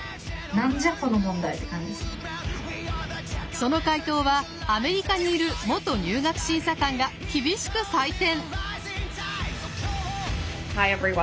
その解答はアメリカにいる元入学審査官が厳しく採点！